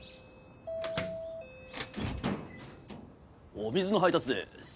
お水の配達です。